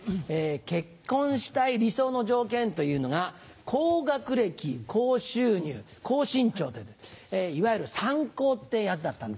結婚したい理想の条件というのが「高学歴高収入高身長」といういわゆる三高ってやつだったんですが。